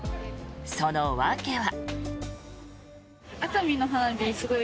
その訳は。